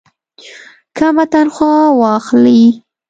کمه تنخواه واخلي.